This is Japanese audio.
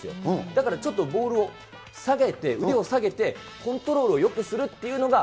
だから、ちょっとボールを下げて、腕を下げて、コントロールをよくするっていうのが。